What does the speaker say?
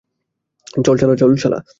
চল, শালা!